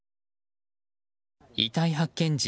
遺体発見時